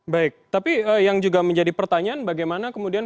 baik tapi yang juga menjadi pertanyaan bagaimana kemudian